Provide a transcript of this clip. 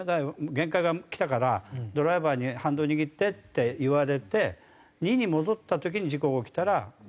限界がきたからドライバーに「ハンドル握って」って言われて２に戻った時に事故が起きたらドライバーの責任。